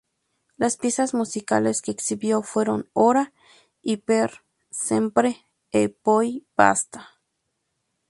Las piezas musicales que exhibió fueron ""Ora"" y ""Per sempre e poi basta"".